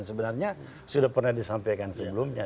sebenarnya sudah pernah disampaikan sebelumnya